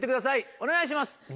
お願いします。